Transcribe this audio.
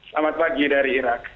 selamat pagi dari irak